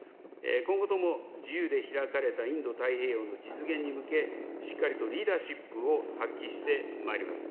今後とも自由で開かれたインド太平洋の実現に向け、しっかりとリーダーシップを発揮してまいります。